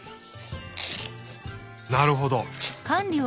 なるほど。